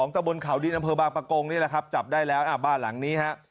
ตะบนเขาดินอำเภอบางประกงนี่แหละครับจับได้แล้วบ้านหลังนี้ฮะ